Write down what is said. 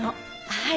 はい。